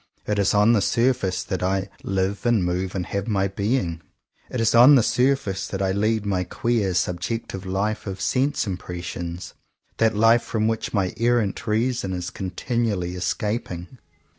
It is on the surface that I "live and move and have my being." It is on the surface that I lead my queer subjective life of sense impressions, — that life from which my er rant reason is continually escaping.